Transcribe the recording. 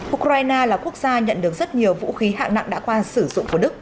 ukraine là quốc gia nhận được rất nhiều vũ khí hạng nặng đã qua sử dụng của đức